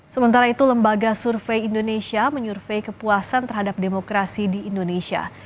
sementara itu lembaga survei indonesia menyurvei kepuasan terhadap demokrasi di indonesia